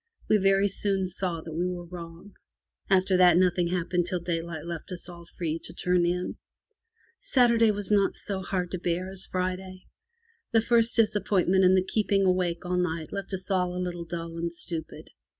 We very soon saw that we were wrong. After that nothing hap pened till daylight left us all free to turn in. Saturday was not so hard to bear as Friday. The first disap pointment and the keeping awake all night left us all a little dull and stupid.